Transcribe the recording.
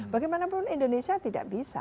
bagaimanapun indonesia tidak bisa